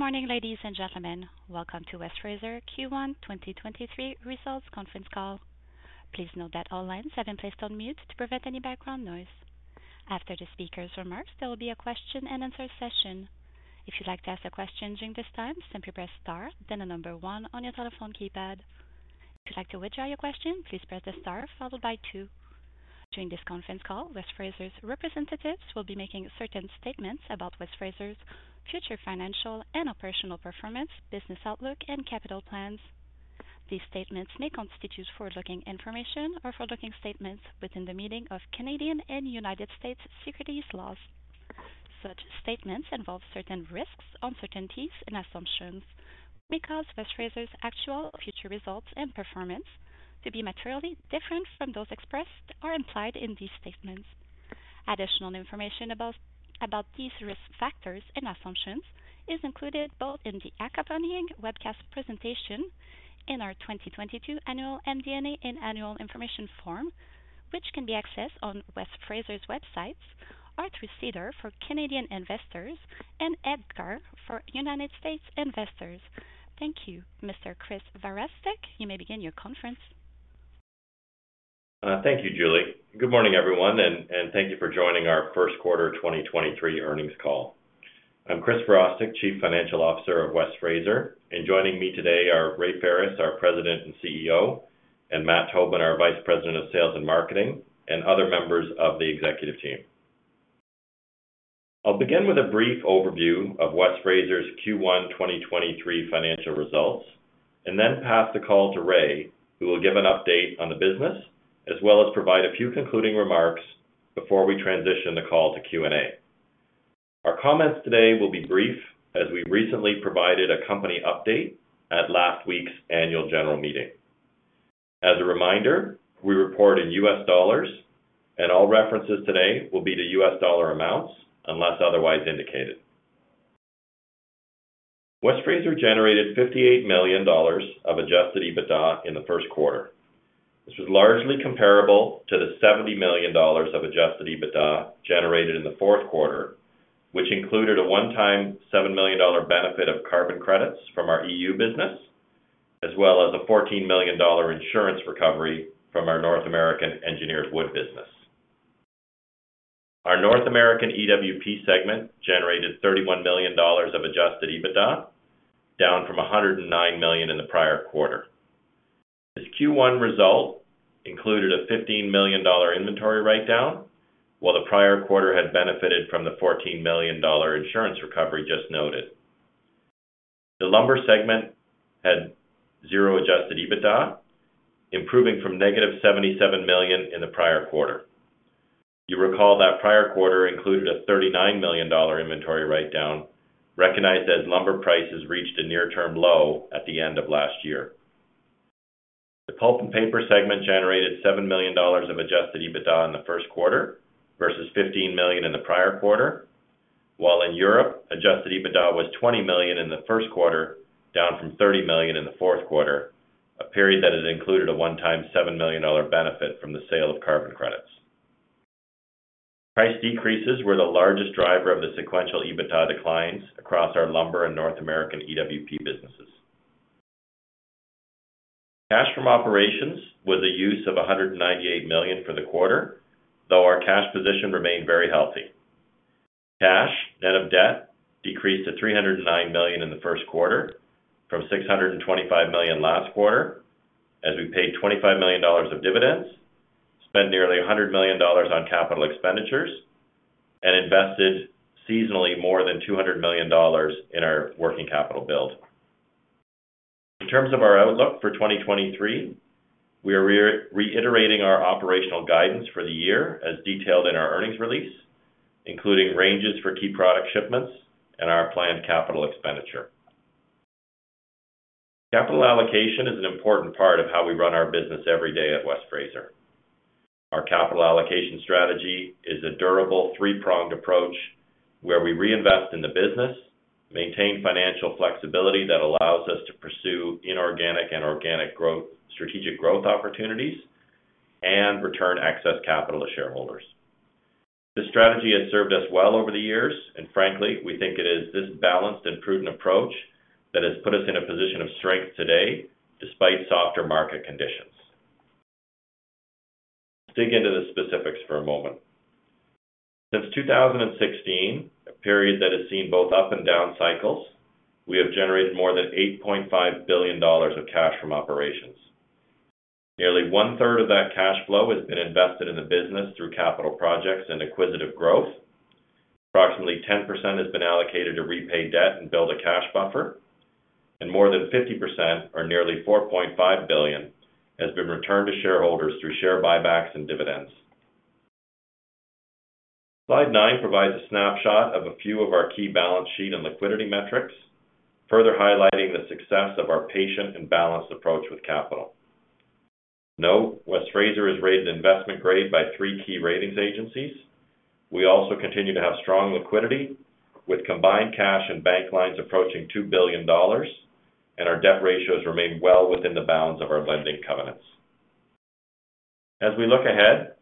Good morning, ladies and gentlemen. Welcome to West Fraser Q1 2023 Results Conference Call. Please note that all lines have been placed on mute to prevent any background noise. After the speaker's remarks, there will be a question-and-answer session. If you'd like to ask a question during this time, simply press star, then one on your telephone keypad. If you'd like to withdraw your question, please press the star followed by two. During this conference call, West Fraser's representatives will be making certain statements about West Fraser's future financial and operational performance, business outlook, and capital plans. These statements may constitute forward-looking information or forward-looking statements within the meaning of Canadian and United States securities laws. Such statements involve certain risks, uncertainties, and assumptions that may cause West Fraser's actual future results and performance to be materially different from those expressed or implied in these statements. Additional information about these risk factors and assumptions is included both in the accompanying webcast presentation in our 2022 annual MD&A and Annual Information Form, which can be accessed on West Fraser's websites or through SEDAR for Canadian investors and EDGAR for United States investors. Thank you. Mr. Chris Virostek, you may begin your conference. Thank you, Julie. Good morning, everyone, and thank you for joining our first quarter 2023 earnings call. I'm Chris Virostek, Chief Financial Officer of West Fraser. Joining me today are Ray Ferris, our President and CEO, and Matt Tobin, our Vice President of Sales and Marketing, and other members of the executive team. I'll begin with a brief overview of West Fraser's Q1 2023 financial results, and then pass the call to Ray, who will give an update on the business as well as provide a few concluding remarks before we transition the call to Q&A. Our comments today will be brief as we recently provided a company update at last week's annual general meeting. As a reminder, we report in U.S. dollars and all references today will be to U.S. dollar amounts unless otherwise indicated. West Fraser generated $58 million of Adjusted EBITDA in the first quarter. This was largely comparable to the $70 million of Adjusted EBITDA generated in the fourth quarter, which included a one-time $7 million benefit of carbon credits from our EU business, as well as a $14 million insurance recovery from our North American engineered wood business. Our North American EWP segment generated $31 million of Adjusted EBITDA, down from $109 million in the prior quarter. This Q1 result included a $15 million inventory write-down, while the prior quarter had benefited from the $14 million insurance recovery just noted. The lumber segment had 0 Adjusted EBITDA, improving from negative $77 million in the prior quarter. You recall that prior quarter included a $39 million inventory write-down, recognized as lumber prices reached a near-term low at the end of last year. The pulp and paper segment generated $7 million of Adjusted EBITDA in the first quarter versus $15 million in the prior quarter, while in Europe, Adjusted EBITDA was $20 million in the first quarter, down from $30 million in the fourth quarter, a period that has included a one-time $7 million benefit from the sale of carbon credits. Price decreases were the largest driver of the sequential EBITDA declines across our lumber and North American EWP businesses. Cash from operations with the use of $198 million for the quarter, though our cash position remained very healthy. Cash, net of debt, decreased to $309 million in the first quarter from $625 million last quarter as we paid $25 million of dividends, spent nearly $100 million on capital expenditures and invested seasonally more than $200 million in our working capital build. In terms of our outlook for 2023, we are reiterating our operational guidance for the year as detailed in our earnings release, including ranges for key product shipments and our planned capital expenditure. Capital allocation is an important part of how we run our business every day at West Fraser. Our capital allocation strategy is a durable three-pronged approach where we reinvest in the business, maintain financial flexibility that allows us to pursue inorganic and organic strategic growth opportunities, and return excess capital to shareholders. This strategy has served us well over the years. Frankly, we think it is this balanced and prudent approach that has put us in a position of strength today despite softer market conditions. Let's dig into the specifics for a moment. Since 2016, a period that has seen both up and down cycles, we have generated more than $8.5 billion of cash from operations. Nearly one-third of that cash flow has been invested in the business through capital projects and acquisitive growth. Approximately 10% has been allocated to repay debt and build a cash buffer. More than 50%, or nearly $4.5 billion, has been returned to shareholders through share buybacks and dividends. Slide nine provides a snapshot of a few of our key balance sheet and liquidity metrics, further highlighting the success of our patient and balanced approach with capital. Note: West Fraser has raised investment grade by three key ratings agencies. We also continue to have strong liquidity with combined cash and bank lines approaching $2 billion, and our debt ratios remain well within the bounds of our lending covenants. As we look ahead,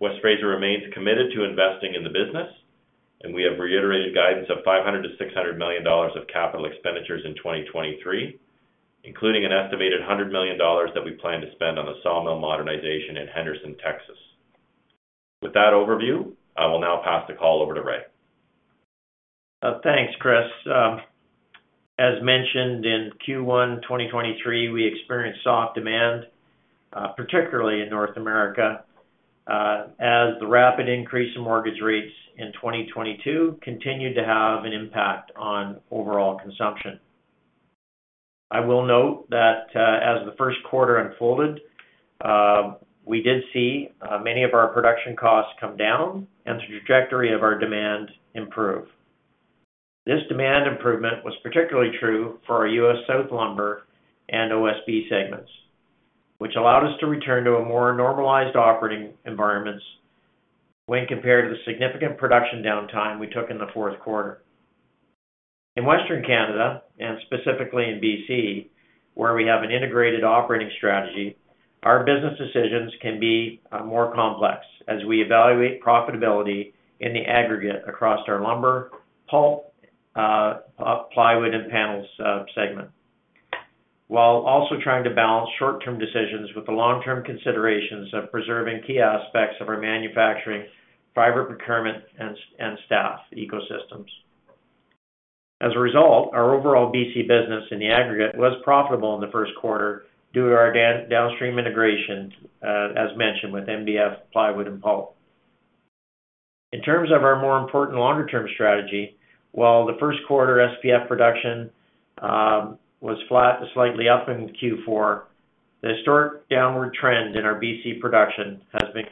West Fraser remains committed to investing in the business, and we have reiterated guidance of $500 million-$600 million of capital expenditures in 2023, including an estimated $100 million that we plan to spend on the sawmill modernization in Henderson, Texas. With that overview, I will now pass the call over to Ray. Thanks, Chris. As mentioned in Q1 2023, we experienced soft demand, particularly in North America, as the rapid increase in mortgage rates in 2022 continued to have an impact on overall consumption. I will note that, as the first quarter unfolded, we did see many of our production costs come down and the trajectory of our demand improve. This demand improvement was particularly true for our U.S. South lumber and OSB segments, which allowed us to return to a more normalized operating environments when compared to the significant production downtime we took in the fourth quarter. In Western Canada, and specifically in BC, where we have an integrated operating strategy, our business decisions can be more complex as we evaluate profitability in the aggregate across our lumber, pulp, plywood and panels segment, while also trying to balance short-term decisions with the long-term considerations of preserving key aspects of our manufacturing, fiber procurement, and staff ecosystems. As a result, our overall BC business in the aggregate was profitable in the first quarter due to our downstream integration, as mentioned with MDF, plywood and pulp. In terms of our more important longer-term strategy, while the first quarter SPF production was flat to slightly up in Q4, the historic downward trend in our BC production has been...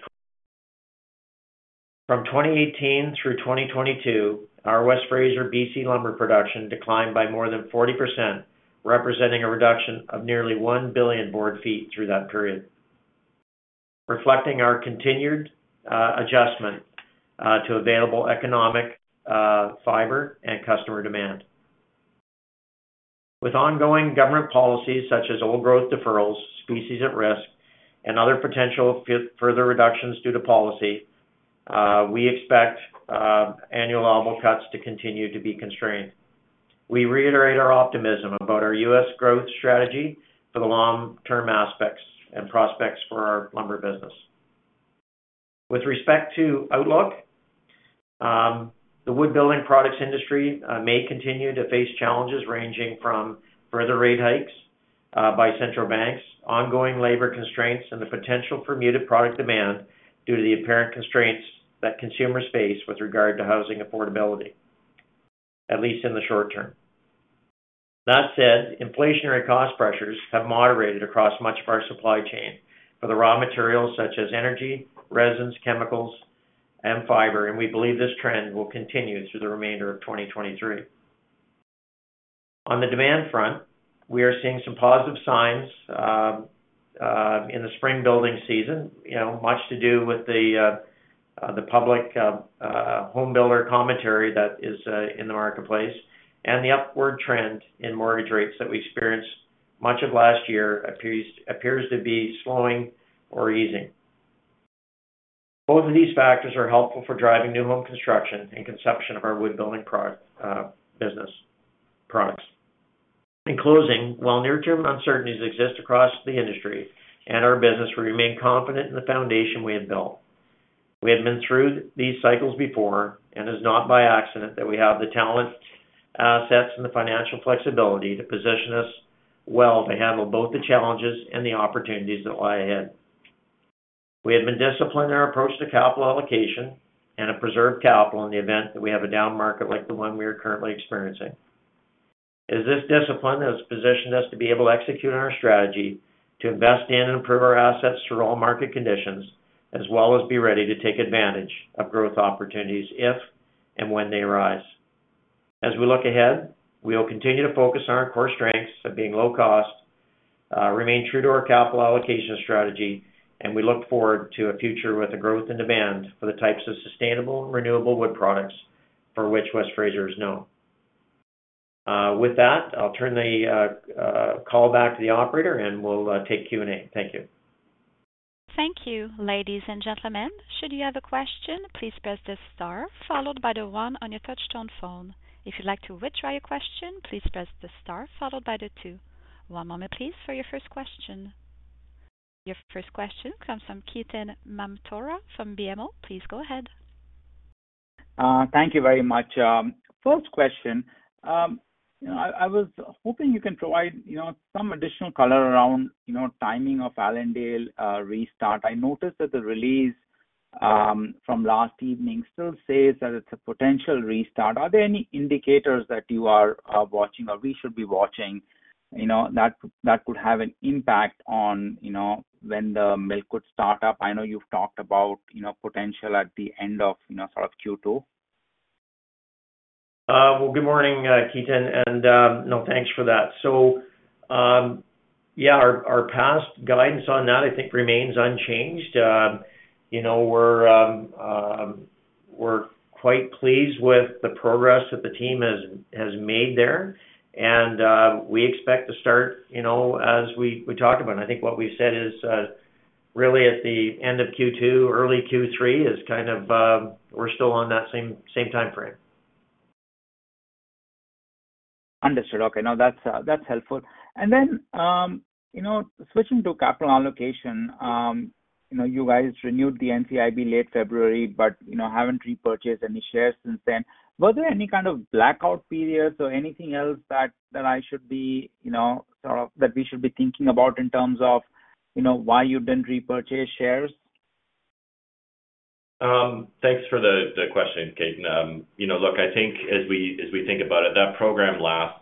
From 2018 through 2022, our West Fraser BC lumber production declined by more than 40%, representing a reduction of nearly one billion board feet through that period, reflecting our continued adjustment to available economic fiber and customer demand. With ongoing government policies such as old growth deferrals, species at risk, and other potential further reductions due to policy, we expect annual allowable cut to continue to be constrained. We reiterate our optimism about our U.S. growth strategy for the long-term aspects and prospects for our lumber business. With respect to outlook, the wood building products industry may continue to face challenges ranging from further rate hikes by central banks, ongoing labor constraints, and the potential for muted product demand due to the apparent constraints that consumers face with regard to housing affordability, at least in the short term. That said, inflationary cost pressures have moderated across much of our supply chain for the raw materials such as energy, resins, chemicals, and fiber, and we believe this trend will continue through the remainder of 2023. On the demand front, we are seeing some positive signs, in the spring building season, you know, much to do with the public home builder commentary that is in the marketplace and the upward trend in mortgage rates that we experienced much of last year appears to be slowing or easing. Both of these factors are helpful for driving new home construction and consumption of our wood building business products. In closing, while near-term uncertainties exist across the industry and our business, we remain confident in the foundation we have built. We have been through these cycles before. It's not by accident that we have the talent, assets, and the financial flexibility to position us well to handle both the challenges and the opportunities that lie ahead. We have been disciplined in our approach to capital allocation and have preserved capital in the event that we have a down market like the one we are currently experiencing. It is this discipline that has positioned us to be able to execute on our strategy to invest in and improve our assets through all market conditions as well as be ready to take advantage of growth opportunities if and when they arise. As we look ahead, we will continue to focus on our core strengths of being low cost, remain true to our capital allocation strategy, and we look forward to a future with the growth and demand for the types of sustainable and renewable wood products for which West Fraser is known. With that, I'll turn the call back to the operator, and we'll take Q&A. Thank you. Thank you. Ladies and gentlemen, should you have a question, please press the star followed by the one on your touch-tone phone. If you'd like to withdraw your question, please press the star followed by the two. One moment please for your first question. Your first question comes from Ketan Mamtora from BMO. Please go ahead. Thank you very much. First question. You know, I was hoping you can provide, you know, some additional color around, you know, timing of Allendale restart. I noticed that the release from last evening still says that it's a potential restart. Are there any indicators that you are watching or we should be watching, you know, that could have an impact on, you know, when the mill could start up? I know you've talked about, you know, potential at the end of, you know, sort of Q2. Well, good morning, Ketan, thanks for that. Our past guidance on that I think remains unchanged. You know, we're quite pleased with the progress that the team has made there. We expect to start, you know, as we talked about. I think what we said is really at the end of Q2, early Q3 is kind of. We're still on that same time frame. Understood. Okay. No, that's helpful. Then, you know, switching to capital allocation, you know, you guys renewed the NCIB late February, but, you know, haven't repurchased any shares since then. Was there any kind of blackout periods or anything else that I should be, you know, that we should be thinking about in terms of, you know, why you didn't repurchase shares? Thanks for the question, Ketan. You know, look, I think as we think about it, that program lasts,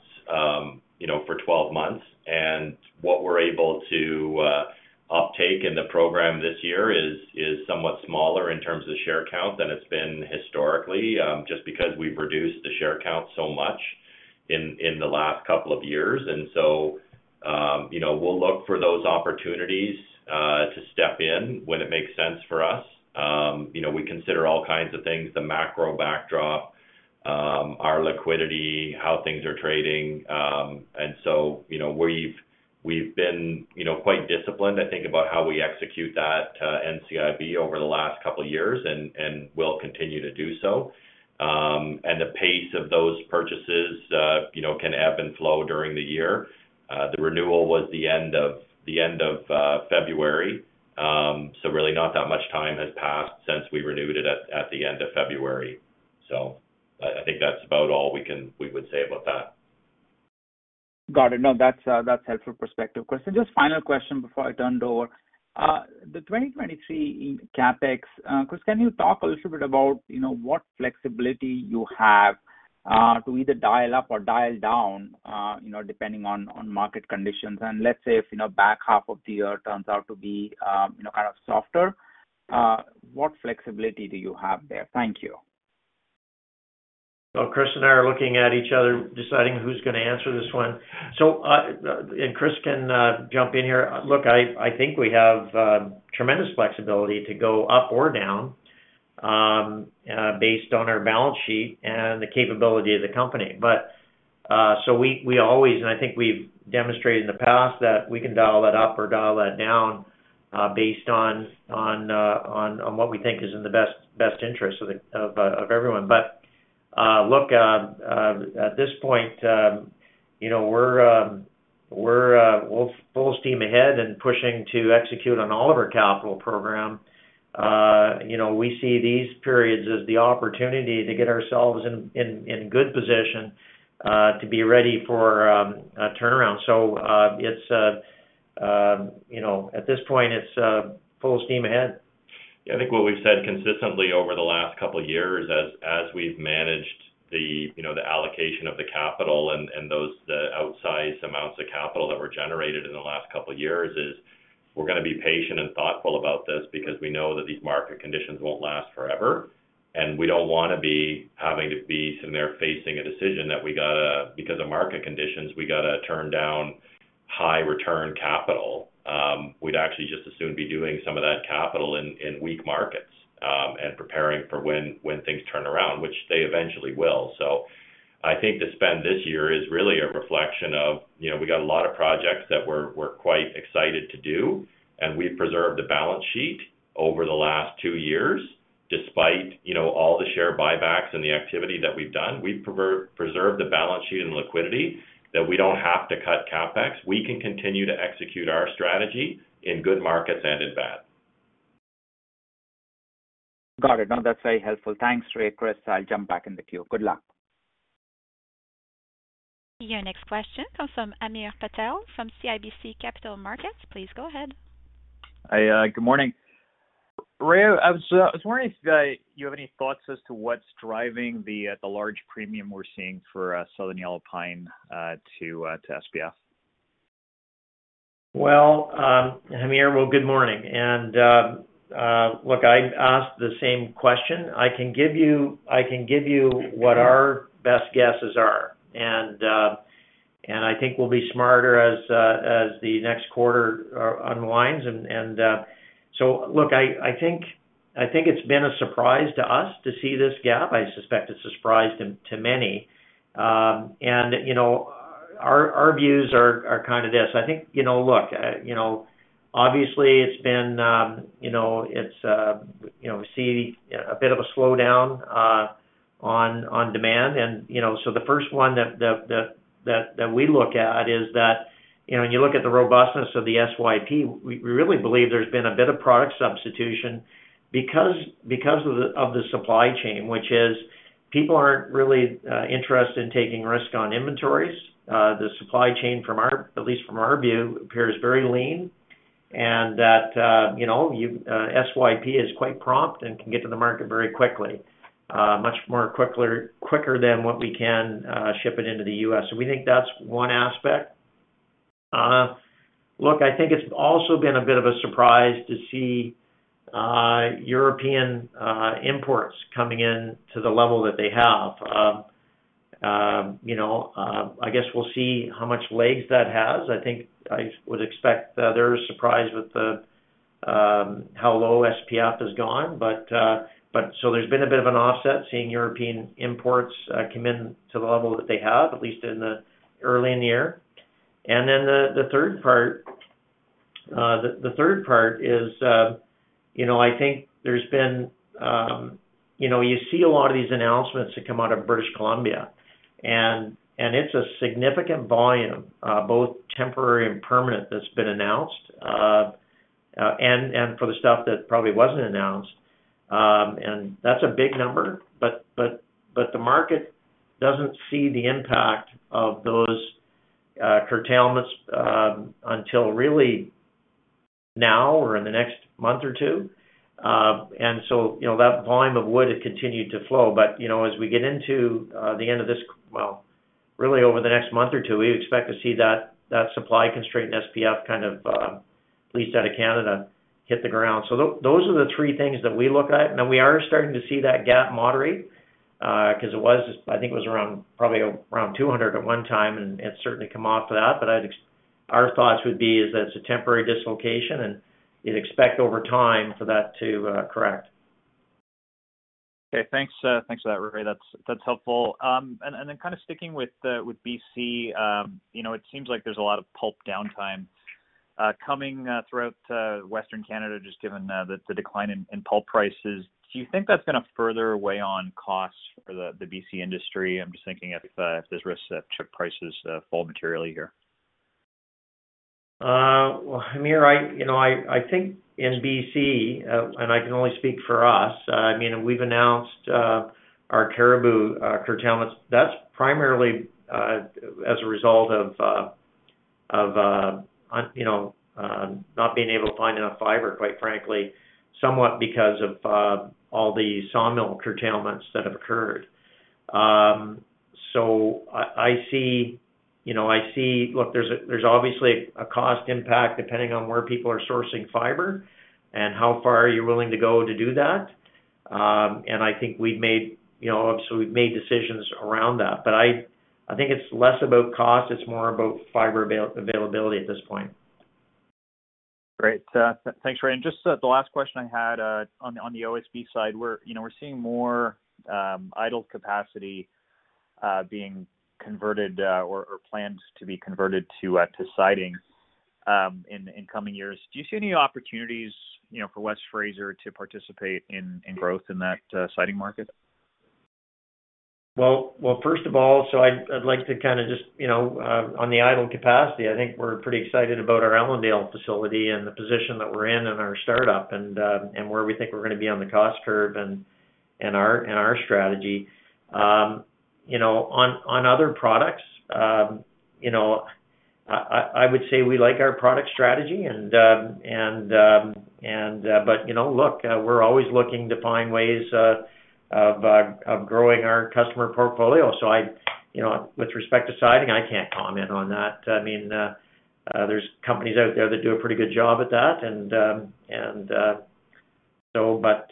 you know, for 12 months, and what we're able to uptake in the program this year is somewhat smaller in terms of share count than it's been historically, just because we've reduced the share count so much in the last couple of years. You know, we'll look for those opportunities to step in when it makes sense for us. You know, we consider all kinds of things, the macro backdrop, our liquidity, how things are trading. You know, we've been, you know, quite disciplined, I think, about how we execute that NCIB over the last couple of years and will continue to do so. The pace of those purchases, you know, can ebb and flow during the year. The renewal was the end of February. Really not that much time has passed since we renewed it at the end of February. I think that's about all we would say about that. Got it. No, that's helpful perspective. Chris, just final question before I turn it over. The 2023 in CapEx, Chris, can you talk a little bit about, you know, what flexibility you have to either dial up or dial down, you know, depending on market conditions? Let's say if, you know, back half of the year turns out to be, you know, kind of softer, what flexibility do you have there? Thank you. Chris and I are looking at each other deciding who's gonna answer this one. Chris can jump in here. Look, I think we have tremendous flexibility to go up or down based on our balance sheet and the capability of the company. We always, and I think we've demonstrated in the past that we can dial that up or dial that down based on what we think is in the best interest of everyone. Look, at this point, you know, we're full steam ahead and pushing to execute on all of our capital program. You know, we see these periods as the opportunity to get ourselves in good position, to be ready for a turnaround. It's, you know, at this point, it's full steam ahead. I think what we've said consistently over the last couple of years as we've managed the, you know, the allocation of the capital and the outsized amounts of capital that were generated in the last couple of years, is we're gonna be patient and thoughtful about this because we know that these market conditions won't last forever, and we don't wanna be having to be sitting there facing a decision that because of market conditions, we gotta turn down high return capital. We'd actually just as soon be doing some of that capital in weak markets, and preparing for when things turn around, which they eventually will. I think the spend this year is really a reflection of, you know, we got a lot of projects that we're quite excited to do, and we've preserved the balance sheet over the last two years. Despite, you know, all the share buybacks and the activity that we've done, we've preserved the balance sheet and liquidity that we don't have to cut CapEx. We can continue to execute our strategy in good markets and in bad. Got it. No, that's very helpful. Thanks, Ray, Chris. I'll jump back in the queue. Good luck. Your next question comes from Hamir Patel from CIBC Capital Markets. Please go ahead. Hi. Good morning. Ray, I was wondering if you have any thoughts as to what's driving the large premium we're seeing for Southern Yellow Pine to SPF? Well, Hamir, good morning. Look, I asked the same question. I can give you what our best guesses are. I think we'll be smarter as the next quarter unwinds. Look, I think it's been a surprise to us to see this gap. I suspect it's a surprise to many. And, you know, our views are kind of this. I think, you know, look, you know, obviously, it's been, you know, it's, you know, we see a bit of a slowdown on demand. You know, the first one that we look at is that, you know, when you look at the robustness of the SYP, we really believe there's been a bit of product substitution because of the supply chain, which is people aren't really interested in taking risk on inventories. The supply chain at least from our view, appears very lean and that, you know, SYP is quite prompt and can get to the market very quickly, much more quicker than what we can ship it into the U.S. We think that's one aspect. Look, I think it's also been a bit of a surprise to see European imports coming in to the level that they have. You know, I guess we'll see how much legs that has. I think I would expect, they're surprised with the how low SPF has gone. There's been a bit of an offset seeing European imports come in to the level that they have, at least in the early in the year. The third part, the third part is, you know, I think there's been. You know, you see a lot of these announcements that come out of British Columbia, it's a significant volume, both temporary and permanent, that's been announced. And for the stuff that probably wasn't announced. That's a big number, but the market doesn't see the impact of those curtailments until really now or in the next month or two. You know, that volume of wood had continued to flow. You know, as we get into really over the next month or two, we expect to see that supply constraint in SPF kind of, at least out of Canada, hit the ground. Those are the three things that we look at. Now we are starting to see that gap moderate, 'cause I think it was around probably around $200 at one time, and it's certainly come off of that. Our thoughts would be is that it's a temporary dislocation, and you'd expect over time for that to correct. Okay. Thanks. Thanks for that, Ray. That's helpful. Then kind of sticking with BC, you know, it seems like there's a lot of pulp downtime coming throughout Western Canada, just given the decline in pulp prices. Do you think that's gonna further weigh on costs for the BC industry? I'm just thinking if there's risks that chip prices fall materially here. Well, Hamir, I, you know, I think in BC, and I can only speak for us, I mean, we've announced our Cariboo curtailments. That's primarily as a result of, you know, not being able to find enough fiber, quite frankly, somewhat because of all the sawmill curtailments that have occurred. I see, you know, I see... Look, there's obviously a cost impact depending on where people are sourcing fiber and how far are you willing to go to do that. I think we've made, you know, so we've made decisions around that. I think it's less about cost, it's more about fiber availability at this point. Great. Thanks, Ray. Just the last question I had on the OSB side, we're, you know, we're seeing more idle capacity being converted or planned to be converted to siding in coming years. Do you see any opportunities, you know, for West Fraser to participate in growth in that siding market? Well, first of all, so I'd like to kind of just, you know, on the idle capacity, I think we're pretty excited about our Allendale facility and the position that we're in in our startup and where we think we're gonna be on the cost curve and our strategy. You know, on other products, you know, I would say we like our product strategy. You know, look, we're always looking to find ways of growing our customer portfolio. I, you know, with respect to siding, I can't comment on that.I mean, there's companies out there that do a pretty good job at that and, so, but,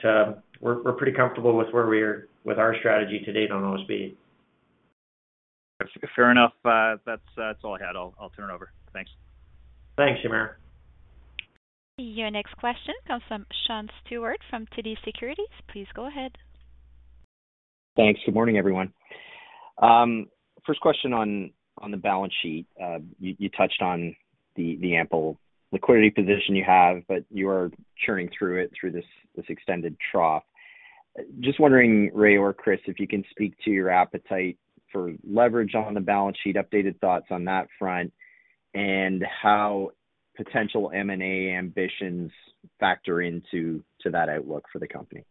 we're pretty comfortable with where we are with our strategy to date on OSB. Fair enough. That's all I had. I'll turn it over. Thanks. Thanks, Hamir. Your next question comes from Sean Steuart from TD Securities. Please go ahead. Thanks. Good morning, everyone. First question on the balance sheet. You touched on the ample liquidity position you have, but you are churning through it through this extended trough. Just wondering, Ray or Chris, if you can speak to your appetite for leverage on the balance sheet, updated thoughts on that front, and how potential M&A ambitions factor into that outlook for the company.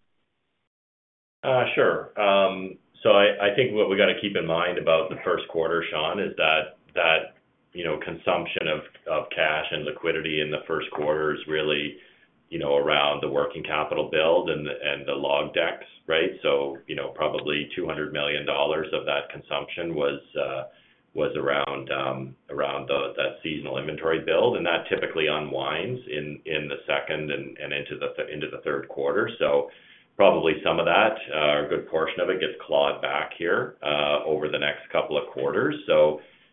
Sure. I think what we gotta keep in mind about the first quarter, Sean, is that, you know, consumption of cash and liquidity in the first quarter is really, you know, around the working capital build and the log decks, right? You know, probably $200 million of that consumption was around that seasonal inventory build, and that typically unwinds in the second and into the third quarter. Probably some of that, or a good portion of it gets clawed back here over the next couple of quarters.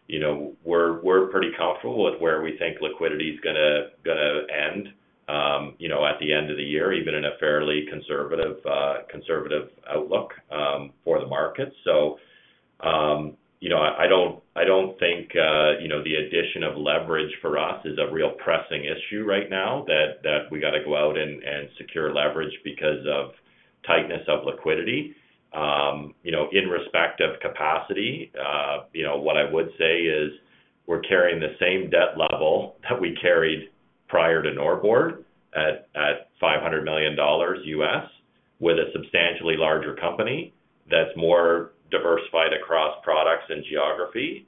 You know, we're pretty comfortable with where we think liquidity is gonna end, you know, at the end of the year, even in a fairly conservative outlook for the market. You know, I don't, I don't think, you know, the addition of leverage for us is a real pressing issue right now that we gotta go out and secure leverage because of tightness of liquidity. You know, in respect of capacity, you know, what I would say is we're carrying the same debt level that we carried prior to Norbord at $500 million U.S., with a substantially larger company that's more diversified across products and geography.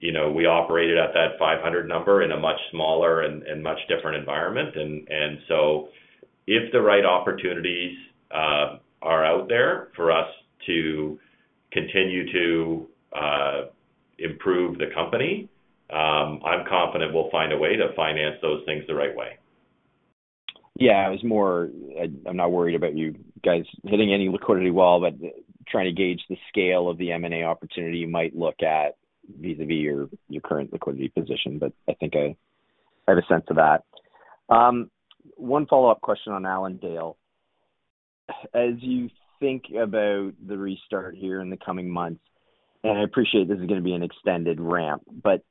You know, we operated at that 500 number in a much smaller and much different environment. If the right opportunities are out there for us to continue to improve the company, I'm confident we'll find a way to finance those things the right way. I'm not worried about you guys hitting any liquidity wall, but trying to gauge the scale of the M&A opportunity you might look at vis-à-vis your current liquidity position. I think I have a sense of that. One follow-up question on Allendale. As you think about the restart here in the coming months, and I appreciate this is gonna be an extended ramp, but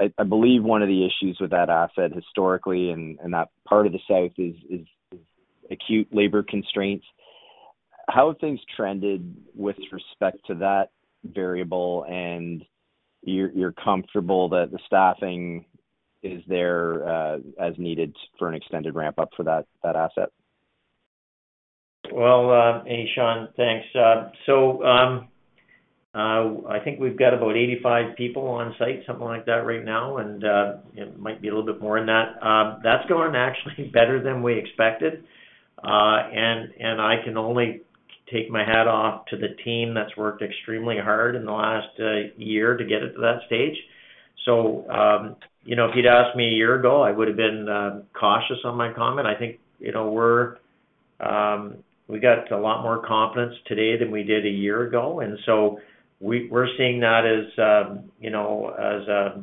I believe one of the issues with that asset historically and that part of the South is acute labor constraints. How have things trended with respect to that variable? You're comfortable that the staffing is there as needed for an extended ramp-up for that asset? Well, hey, Sean. Thanks. I think we've got about 85 people on site, something like that right now. It might be a little bit more than that. That's going actually better than we expected. I can only take my hat off to the team that's worked extremely hard in the last year to get it to that stage. You know, if you'd asked me a year ago, I would've been cautious on my comment. I think, you know, we're, we got a lot more confidence today than we did a year ago, we're seeing that as, you know, as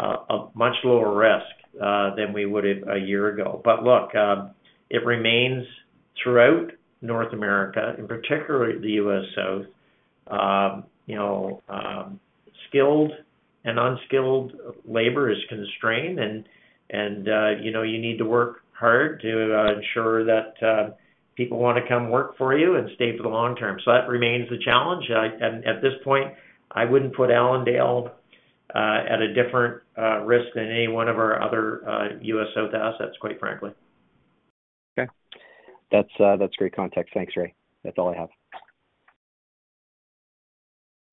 a much lower risk than we would have a year ago. Look, it remains throughout North America, in particularly the U.S. South, you know, skilled and unskilled labor is constrained and, you know, you need to work hard to ensure that people wanna come work for you and stay for the long term. That remains the challenge. At this point, I wouldn't put Allendale at a different risk than any one of our other U.S. South assets, quite frankly. Okay. That's great context. Thanks, Ray. That's all I have.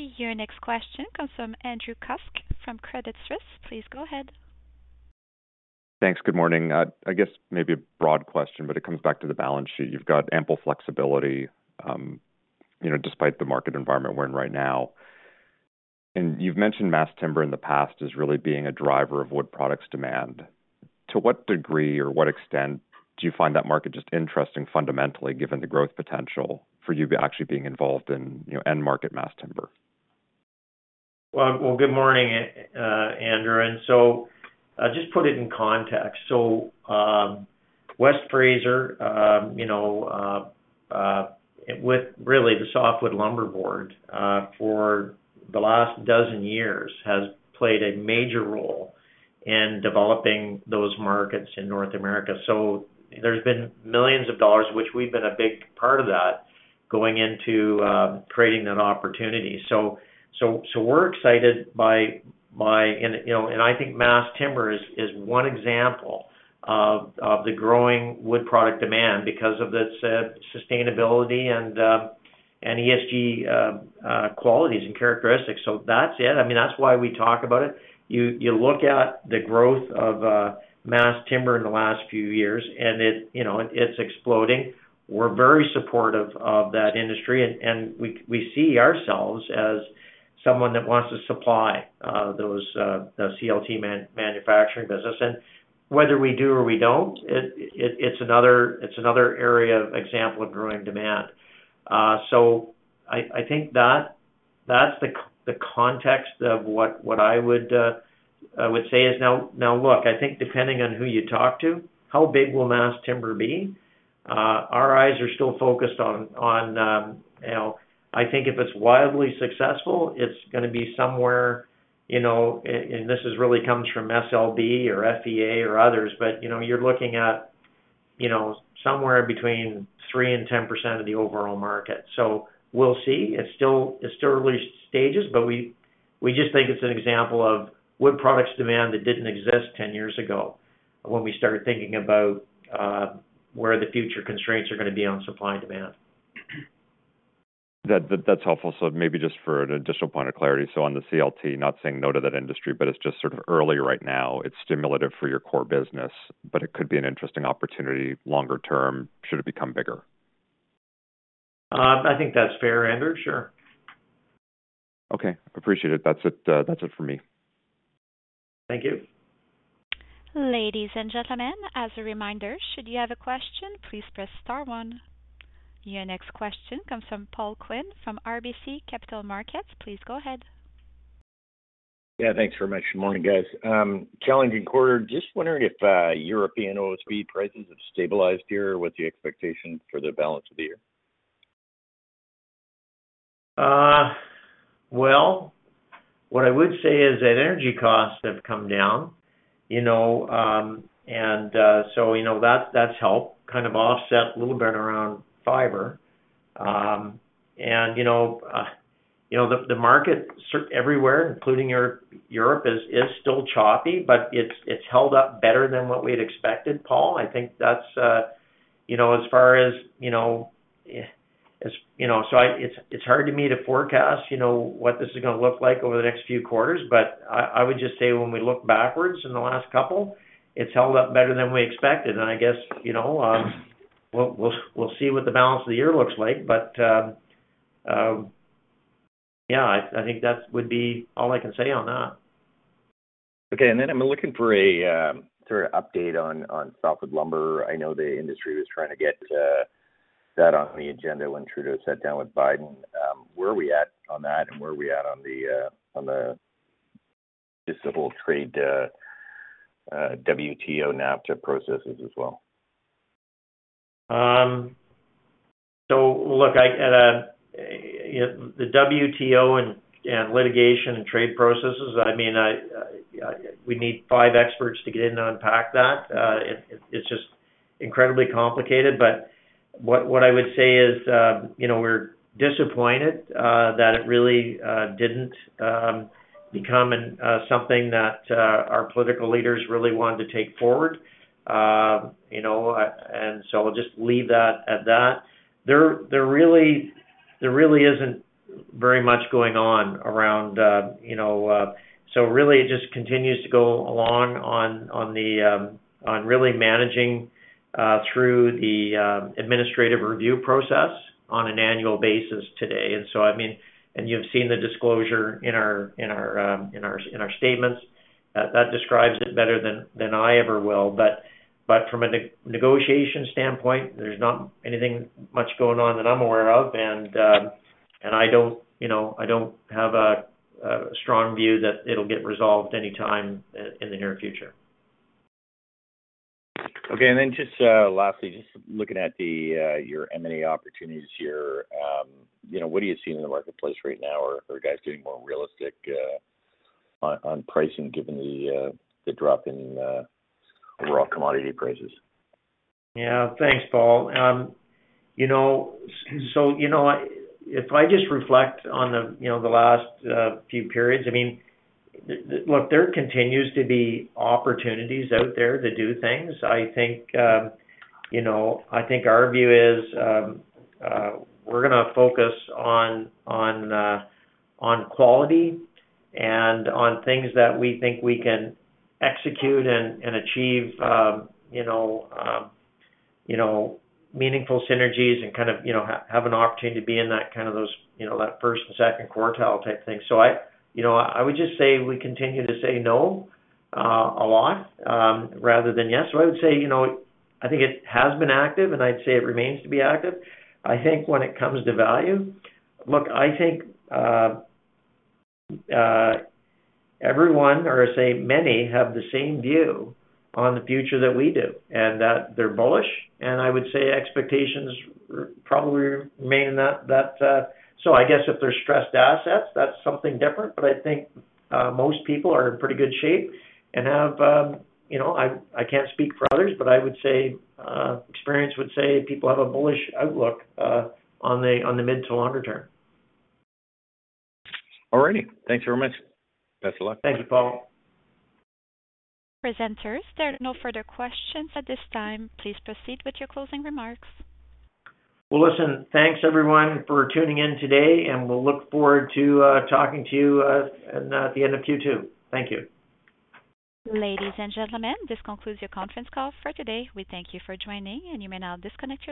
Your next question comes from Andrew Kuske from Credit Suisse. Please go ahead. Thanks. Good morning. I guess maybe a broad question, but it comes back to the balance sheet. You've got ample flexibility, you know, despite the market environment we're in right now. You've mentioned mass timber in the past as really being a driver of wood products demand. To what degree or what extent do you find that market just interesting fundamentally, given the growth potential for you actually being involved in, you know, end market mass timber? Well, good morning, Andrew. Just put it in context. West Fraser, you know, with really the Softwood Lumber Board, for the last 12 years has played a major role in developing those markets in North America. There's been millions of dollars, which we've been a big part of that, going into, creating an opportunity. We're excited by... You know, I think mass timber is one example of the growing wood product demand because of the sustainability and ESG qualities and characteristics. That's it. I mean, that's why we talk about it. You look at the growth of mass timber in the last few years, and it, you know, it's exploding. We're very supportive of that industry, and we see ourselves as someone that wants to supply those the CLT manufacturing business. Whether we do or we don't, it's another area of example of growing demand. I think that's the context of what I would say is now look, I think depending on who you talk to, how big will mass timber be, our eyes are still focused on, you know. I think if it's wildly successful, it's gonna be somewhere, you know, and this is really comes from SLB or FEA or others, you know, you're looking at, you know, somewhere between 3% and 10% of the overall market. We'll see.It's still early stages, but we just think it's an example of wood products demand that didn't exist 10 years ago when we started thinking about where the future constraints are gonna be on supply and demand. That's helpful. Maybe just for an additional point of clarity. On the CLT, not saying no to that industry, but it's just sort of early right now. It's stimulative for your core business, but it could be an interesting opportunity longer term should it become bigger. I think that's fair, Andrew. Sure. Okay. Appreciate it. That's it, that's it for me. Thank you. Ladies and gentlemen, as a reminder, should you have a question, please press star one. Your next question comes from Paul Quinn from RBC Capital Markets. Please go ahead. Thanks very much. Good morning, guys. Challenging quarter. Just wondering if European OSB prices have stabilized here? What's the expectation for the balance of the year? Well, what I would say is that energy costs have come down, you know, and, so, you know, that's helped kind of offset a little bit around fiber. You know, you know, the market everywhere, including Europe is still choppy, but it's held up better than what we had expected, Paul. I think that's, you know, as far as, you know, as, you know. It's hard to me to forecast, you know, what this is gonna look like over the next few quarters, but I would just say when we look backwards in the last couple, it's held up better than we expected. I guess, you know, we'll see what the balance of the year looks like. Yeah, I think that would be all I can say on that. Okay. I'm looking for a sort of update on softwood lumber. I know the industry was trying to get that on the agenda when Trudeau sat down with Biden. Where are we at on that, and where are we at on the on the discipline trade, WTO, NAFTA processes as well? Look, at a, you know, the WTO and litigation and trade processes, I mean, we need five experts to get in and unpack that. It's just incredibly complicated. What I would say is, you know, we're disappointed that it really didn't become something that our political leaders really wanted to take forward. You know, I'll just leave that at that. There really isn't very much going on around, you know. Really it just continues to go along on the really managing through the administrative review process on an annual basis today. I mean. You've seen the disclosure in our statements that describes it better than I ever will. From a negotiation standpoint, there's not anything much going on that I'm aware of. I don't, you know, I don't have a strong view that it'll get resolved anytime in the near future. Okay. Then just lastly, just looking at the your M&A opportunities here. You know, what are you seeing in the marketplace right now? Are guys getting more realistic on pricing given the drop in overall commodity prices? Yeah. Thanks, Paul. You know, so, you know, if I just reflect on the, you know, the last few periods, I mean, look, there continues to be opportunities out there to do things. I think, you know, I think our view is, we're gonna focus on quality and on things that we think we can execute and achieve, you know, meaningful synergies and kind of, you know, have an opportunity to be in that kind of those, you know, that first and second quartile type thing. I, you know, I would just say we continue to say no a lot rather than yes. I would say, you know, I think it has been active, and I'd say it remains to be active. I think when it comes to value... I think everyone, or I say many, have the same view on the future that we do, and that they're bullish. I would say expectations probably remain that. I guess if they're stressed assets, that's something different. I think most people are in pretty good shape and have, you know, I can't speak for others, but I would say experience would say people have a bullish outlook on the mid to longer term. All righty. Thanks very much. Best of luck. Thanks, Paul. Presenters, there are no further questions at this time. Please proceed with your closing remarks. listen, thanks everyone for tuning in today, and we'll look forward to talking to you in at the end of Q2. Thank you. Ladies and gentlemen, this concludes your conference call for today. We thank you for joining, and you may now disconnect your-